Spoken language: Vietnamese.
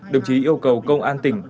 đồng chí yêu cầu công an tỉnh